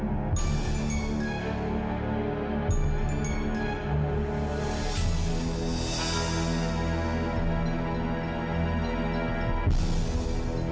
aku tunggu dulu deh